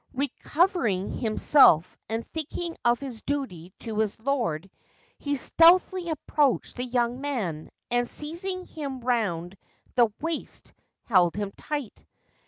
Recovering himself, and thinking of his duty to his lord, he stealthily approached the young man, and, seizing him round the waist, held him tight.